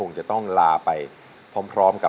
หนูรู้สึกดีมากเลยค่ะ